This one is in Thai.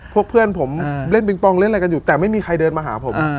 พวกเพื่อนผมเล่นปิงปองเล่นอะไรกันอยู่แต่ไม่มีใครเดินมาหาผม